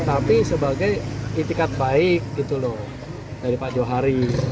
tapi sebagai itikat baik dari pak johari